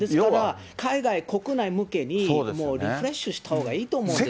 海外、国内向けにもうリフレッシュしたほうがいいと思うんです。